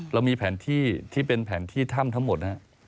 เรามีแผ่นที่ที่เป็นแผ่นที่ถ้ำทั้งหมด